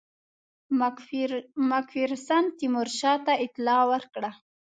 مک فیرسن تیمورشاه ته اطلاع ورکړه.